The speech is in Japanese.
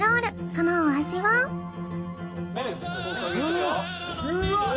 そのお味は・うっうわっ